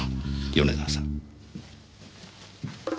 米沢さん。